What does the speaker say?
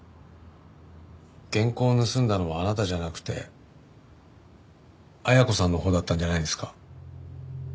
原稿を盗んだのはあなたじゃなくて恵子さんのほうだったんじゃないんですか？